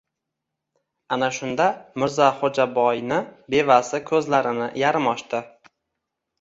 Ana shunda, Mirzaxo‘jaboyni bevasi ko‘zlarini yarim ochdi!